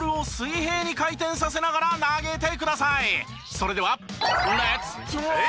それでは。